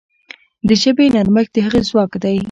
د ژبې نرمښت د هغې ځواک دی.